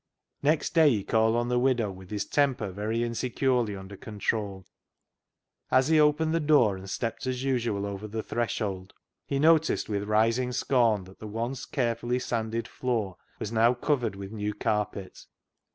Next day he called on the widow with his temper very insecurely under control. As he opened the door and stepped as usual over the threshold he noticed with rising scorn that the once carefully sanded floor was now covered with new carpet.